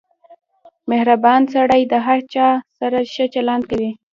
• مهربان سړی د هر چا سره ښه چلند کوي.